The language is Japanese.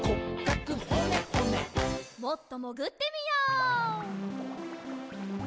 もっともぐってみよう。